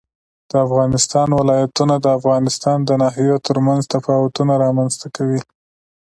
د افغانستان ولايتونه د افغانستان د ناحیو ترمنځ تفاوتونه رامنځ ته کوي.